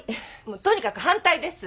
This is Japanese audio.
もうとにかく反対です！